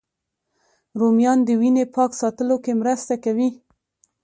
رومیان د وینې پاک ساتلو کې مرسته کوي